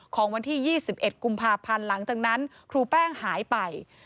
ของวันที่๒๑กุมภาพันธ์หลังจากนั้นครูแป้งหายไป